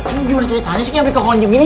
gimana kita nangis ini ngambil kekunci begini